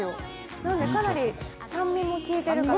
なのでかなり酸味も効いているかな。